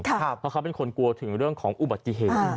เพราะเขาเป็นคนกลัวถึงเรื่องของอุบัติเหตุ